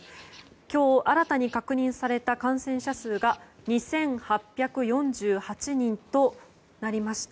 今日新たに確認された感染者数が２８４８人となりました。